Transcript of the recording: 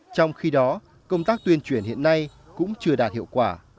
trong khi đó công tác tuyên truyền hiện nay cũng chưa đạt hiệu quả